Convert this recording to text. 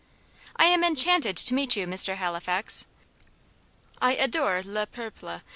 "I am enchanted to meet you, Mr. Halifax; I adore 'le peuple.'